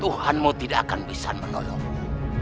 tuhanmu tidak akan bisa menolongmu